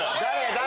誰？